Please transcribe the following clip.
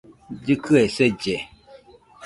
Llɨkɨe selle